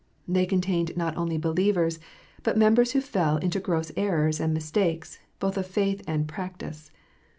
They contained not only believers, but members who fell into gross errors and mistakes, both of faith and practice.